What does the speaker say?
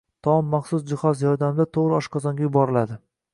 taom maxsus jihoz yordamida to‘g‘ri oshqozonga yuboriladi.